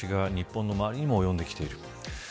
日本の周りにも及んできている。